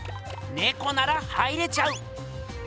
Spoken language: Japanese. ねこなら入れちゃう！